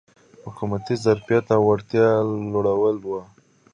حکومتي ظرفیت او وړتیا لوړول و.